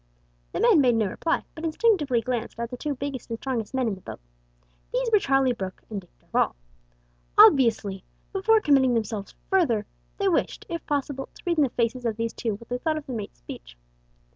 The men made no reply, but instinctively glanced at the two biggest and strongest men in the boat. These were Charlie Brooke and Dick Darvall. Obviously, before committing themselves further, they wished, if possible, to read in the faces of these two what they thought of the mate's speech.